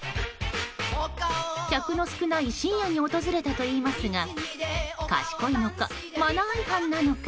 客の少ない深夜に訪れたといいますが賢いのか、マナー違反なのか。